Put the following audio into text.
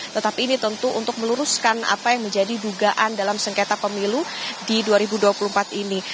tetapi ini tentu untuk meluruskan apa yang menjadi dugaan dalam sengketa pemilu di dua ribu dua puluh empat ini